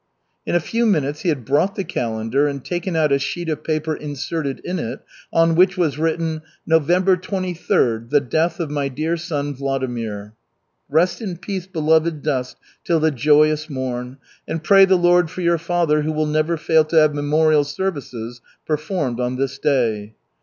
In a few minutes he had brought the calendar and taken out a sheet of paper inserted in it, on which was written. "November 23. The death of my dear son Vladimir." "Rest in peace, beloved dust, till the joyous morn. And pray the Lord for your father, who will never fail to have memorial services performed on this day."